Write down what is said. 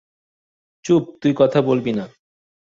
চুপ, তুই কথা বলবি না?